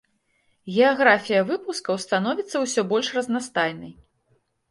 Геаграфія выпускаў становіцца ўсё больш разнастайнай.